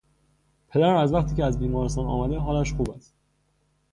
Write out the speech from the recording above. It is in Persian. پدرم از وقتی که از بیمارستان آمده حالش خوب است.